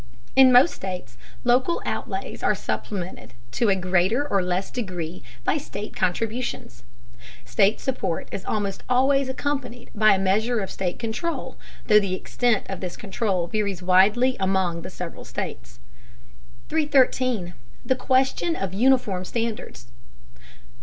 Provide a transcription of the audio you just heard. In most states local outlays are supplemented, to a greater or less degree, by state contributions. State support is almost always accompanied by a measure of state control, though the extent of this control varies widely among the several states. 313. THE QUESTION OF UNIFORM STANDARDS.